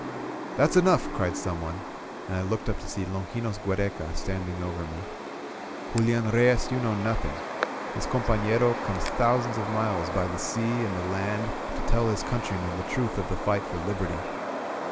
••." "That's enough!'' cried someone, and I looked up to see Longinos Giiereca standing over me. "Julian Reyes, you know nothing. This companero comes thou sands of miles by the sea and the land to tell his coun trymen the truth of the fight for Liberty.